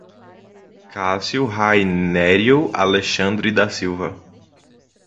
Cacio Rainerio Alexandre da Silva